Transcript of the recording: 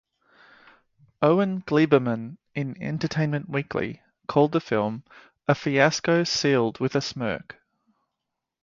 Owen Gleiberman in "Entertainment Weekly" called the film "a fiasco sealed with a smirk.